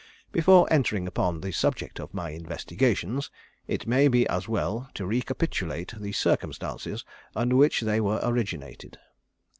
"Before entering upon the subject of my investigations, it may be as well to recapitulate the circumstances under which they were originated.